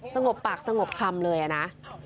สงบปากสงบคำเลยนะ